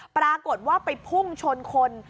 ปรากฏว่าไปพุ่งชนคน